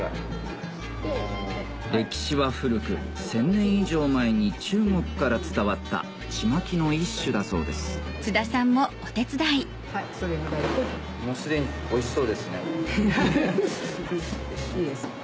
歴史は古く１０００年以上前に中国から伝わったちまきの一種だそうです・フフフ！